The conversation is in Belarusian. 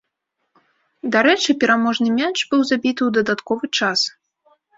Дарэчы пераможны мяч быў забіты ў дадатковы час.